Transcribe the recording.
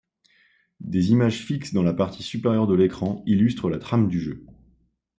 Des images fixes dans la partie supérieure de l'écran illustrent la trame du jeu.